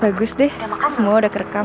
bagus deh semua udah kerekam